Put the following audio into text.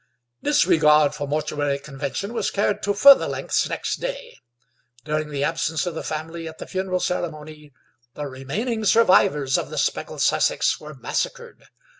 Disregard for mortuary convention was carried to further lengths next day; during the absence of the family at the funeral ceremony the remaining survivors of the speckled Sussex were massacred.